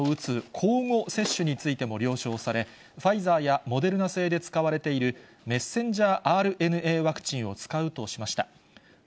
交互接種についても了承され、ファイザーやモデルナ製で使われている、ｍＲＮＡワクチンを使うとしました。